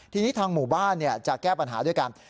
ทีนี้ทางหมู่บ้านจะแก้ปัญหาด้วยกัน